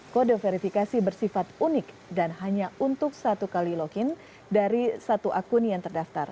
kode verifikasi bersifat unik dan hanya untuk satu kali login dari satu akun yang terdaftar